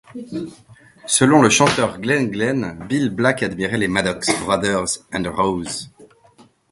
Selon le chanteur Glen Glenn, Bill Black admirait les Maddox Brothers and Rose.